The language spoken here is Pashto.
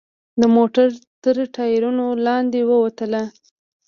د موټر تر ټایرونو لاندې ووتله.